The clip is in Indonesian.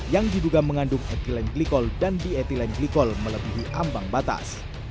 yang diduga mengandung etilen glikol dan dietilen glikol melebihi ambang batas